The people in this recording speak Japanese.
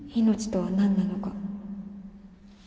命とは何なのか。